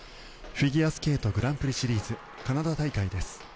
フィギュアスケートグランプリシリーズカナダ大会です。